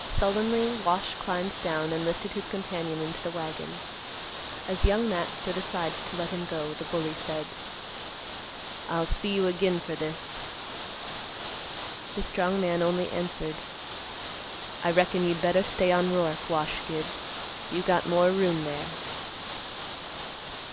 Sullenly Wash climbed down and lifted his companion into the wagon. As Young Matt stood aside to let him go, the bully said, "I'll see you agin fer this." The strong man only answered, "I reckon you'd better stay on Roark, Wash Gibbs. You got more room there."